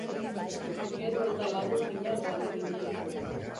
Gero eta lagun minagoak ginen.